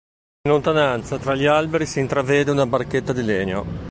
In lontananza tra gli alberi si intravede una barchetta di legno.